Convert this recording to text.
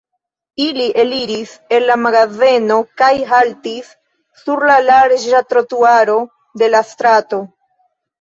Ili eliris el la magazeno kaj haltis sur la larĝa trotuaro de la strato.